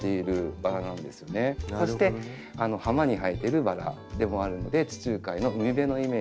そして浜に生えてるバラでもあるので地中海の海辺のイメージ。